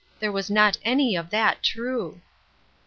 There was not any of that true."